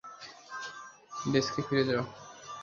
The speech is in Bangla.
ডেস্কে ফিরে যাও।